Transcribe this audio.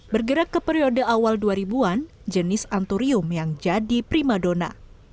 bergerak ke periode awal dua ribu an jenis anturium yang jadi primadona